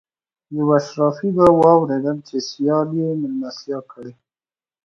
یو اشرافي به واورېدل چې سیال یې مېلمستیا کړې.